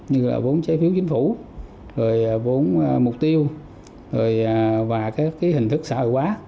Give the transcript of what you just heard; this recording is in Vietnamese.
như vốn chế phiếu chính phủ vốn mục tiêu và các hình thức xã hội hóa